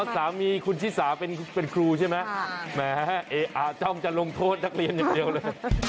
สามีคุณชิสาเป็นครูใช่ไหมจ้องจะลงโทษนักเรียนอย่างเดียวเลย